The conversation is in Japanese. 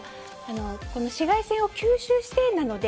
紫外線を吸収して、なので。